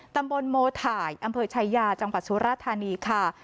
ตำบลโมถ่ายอำเภอชายาจังหวัดสุราธานีค่ะ